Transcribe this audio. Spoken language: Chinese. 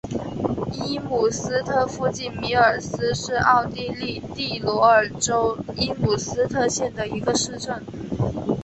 伊姆斯特附近米尔斯是奥地利蒂罗尔州伊姆斯特县的一个市镇。